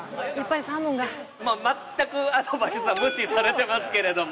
まったくアドバイスは無視されてますけれども。